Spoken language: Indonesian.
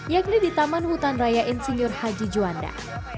yakni di taman hutan raya insinyur haji juanda